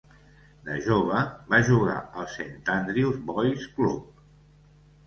De jove, va jugar al Saint Andrew's Boys' Club.